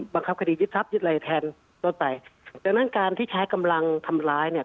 บังคับคดียึดทรัพยึดอะไรแทนต้นไปดังนั้นการที่ใช้กำลังทำร้ายเนี่ย